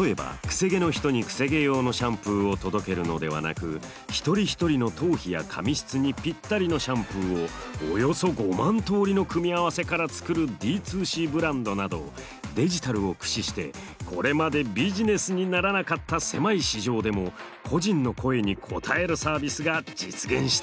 例えばくせ毛の人にくせ毛用のシャンプーを届けるのではなく一人一人の頭皮や髪質にぴったりのシャンプーをおよそ５万通りの組み合わせから作るＤ２Ｃブランドなどデジタルを駆使してこれまでビジネスにならなかった狭い市場でも個人の声に応えるサービスが実現しているんです。